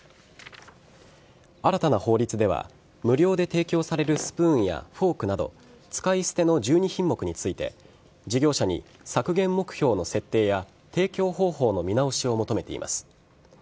新たな法律では無料で提供されるスプーンやフォークなど使い捨ての１２品目について事業者に削減目標の設定や提供方法の見直しを求めています。